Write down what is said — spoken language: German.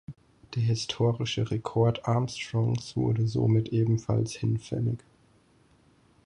Der historische Rekord Armstrongs wurde somit ebenfalls hinfällig.